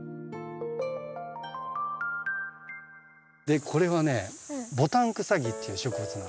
でこれはねボタンクサギっていう植物なんですよ。